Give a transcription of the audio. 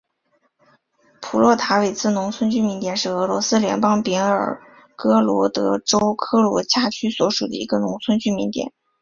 普洛塔韦茨农村居民点是俄罗斯联邦别尔哥罗德州科罗恰区所属的一个农村居民点。